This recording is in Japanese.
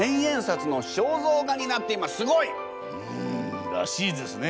なんとんらしいですね。